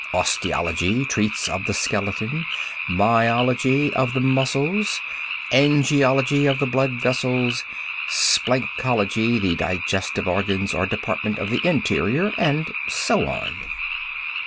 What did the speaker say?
Osteology treats of the skeleton, myology of the muscles, angiology of the blood vessels, splanchology the digestive organs or department of the interior, and so on.